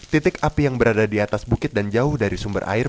titik api yang berada di atas bukit dan jauh dari sumber air